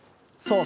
そう。